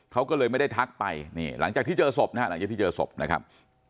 เขาก็เลยไม่ได้ทักไปหลังจากที่เจอศพนะครับ